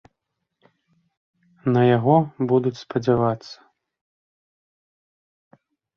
На яго будуць спадзявацца.